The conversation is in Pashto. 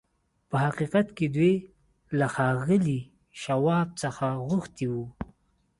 په حقيقت کې دوی له ښاغلي شواب څخه غوښتي وو.